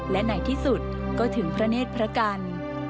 และในที่สุดก็ถึงพระเนธพระกัน